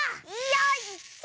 よいしょ！